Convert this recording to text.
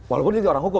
walaupun ini orang hukum